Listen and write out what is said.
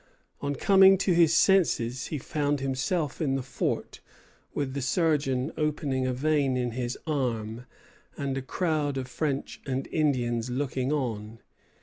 On coming to his senses he found himself in the fort, with the surgeon opening a vein in his arm and a crowd of French and Indians looking on.